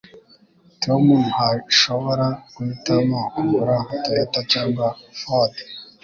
Tom ntashobora guhitamo kugura Toyota cyangwa Ford.